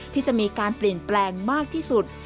ที่จะมีการเปลี่ยนแปลงมากที่สุด